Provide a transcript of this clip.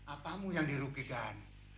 apamu yang dirugikan